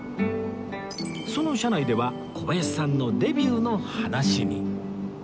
その車内では小林さんのデビューの話に